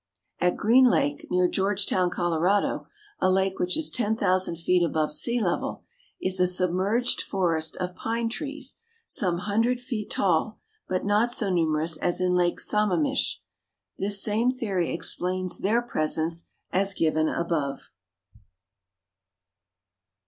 At Green Lake, near Georgetown, Colo. a lake which is 10,000 feet above sea level is a submerged forest of pine trees, some hundred feet tall, but not so numerous as in Lake Samamish. This same theory explains their presence as given above.